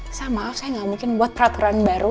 elsa maaf saya gak mungkin buat peraturan baru